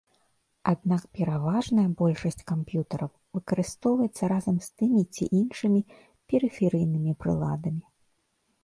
Аднак пераважная большасць камп'ютараў выкарыстоўваецца разам з тымі ці іншымі перыферыйнымі прыладамі.